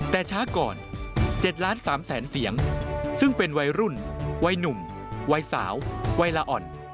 แต่ช้าก่อน๗ล้าน๓แสนเสียงซึ่งเป็นวัยรุ่นวัยหนุ่มวัยสาววัยละอ่อน